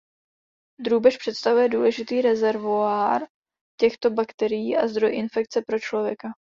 Drůbež představuje důležitý rezervoár těchto bakterií a zdroj infekce pro člověka.